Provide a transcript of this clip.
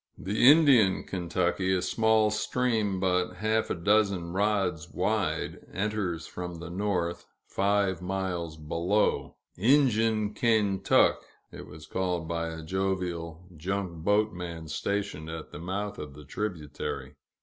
The Indian Kentucky, a small stream but half a dozen rods wide, enters from the north, five miles below "Injun Kaintuck," it was called by a jovial junk boat man stationed at the mouth of the tributary.